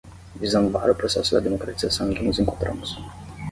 visando barrar o processo da democratização em que nos encontramos